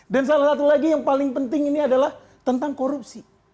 dan salah satu lagi yang paling penting ini adalah tentang korupsi